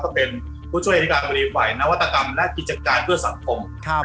ก็เป็นผู้ช่วยในการบริษัทนวัตกรรมและกิจการเพื่อสัมคม